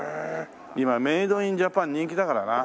今メイド・イン・ジャパン人気だからな。